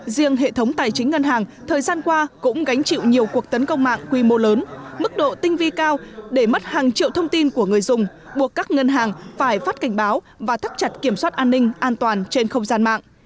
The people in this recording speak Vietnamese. riêng hệ thống tài chính ngân hàng thời gian qua cũng gánh chịu nhiều cuộc tấn công mạng quy mô lớn mức độ tinh vi cao để mất hàng triệu thông tin của người dùng buộc các ngân hàng phải phát cảnh báo và thắt chặt kiểm soát an ninh an toàn trên không gian mạng